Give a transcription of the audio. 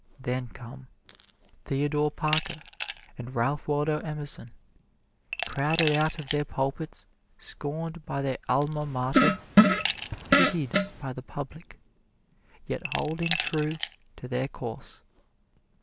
Then come Theodore Parker and Ralph Waldo Emerson, crowded out of their pulpits, scorned by their Alma Mater, pitied by the public yet holding true to their course.